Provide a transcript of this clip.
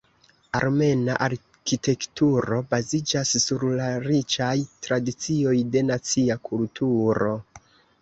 Armena arkitekturo baziĝas sur la riĉaj tradicioj de nacia kulturo.